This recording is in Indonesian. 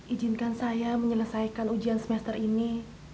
ijinkan saya menyelesaikan ujian semester ini